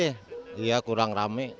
iya kurang rame